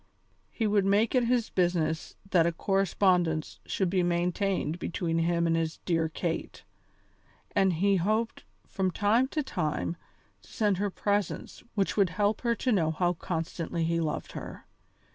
He would make it his business that a correspondence should be maintained between him and his dear Kate, and he hoped from time to time to send her presents which would help her to know how constantly he loved her.